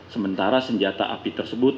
sementara senjata api tersebut